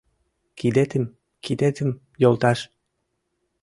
— Кидетым... кидетым, йолташ!